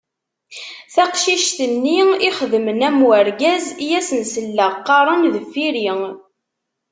Taqcict-nni ixedmen am urgaz, I asen-selleɣ qqaren deffir-i.